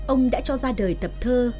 ông đã cho ra đời tập thơ